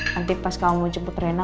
nanti pas kamu jemput rena